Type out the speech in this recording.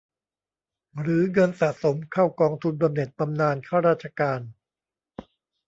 หรือเงินสะสมเข้ากองทุนบำเหน็จบำนาญข้าราชการ